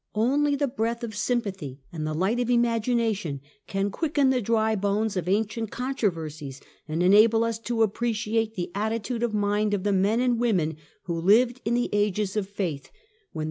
Only the breath of sympathy and the light of imagination can quicken the dry bones of ancient controversies and enable us to appreciate the attitude of mind of the men and women who lived in the Ages of Faith, (when the.